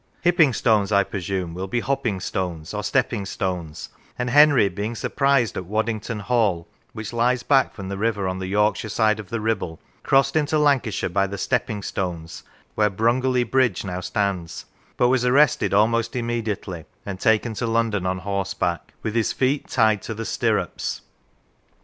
Hypping stones, I presume, will be hopping stones, or stepping stones, and Henry, being surprised at Waddington Hall, which lies back from the river on the Yorkshire side of the Kibble, crossed into Lancashire by the stepping stones, where Brungerly Bridge now stands, but was arrested almost immediately, and taken to London on horseback, with his feet tied to the stirrups.